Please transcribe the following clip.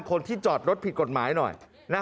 คนที่จอดรถผิดกฎหมายหน่อย